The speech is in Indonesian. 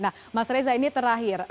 nah mas reza ini terakhir